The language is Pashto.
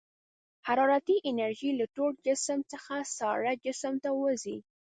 حرارتي انرژي له تود جسم څخه ساړه جسم ته ورځي.